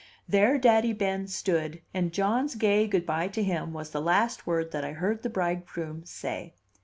There Daddy Ben stood, and John's gay good by to him was the last word that I heard the bridegroom say.